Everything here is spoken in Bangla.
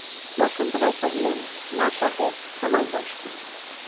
বসন্ত রায় কহিলেন, না সাহেব, তোমার দোষ কী?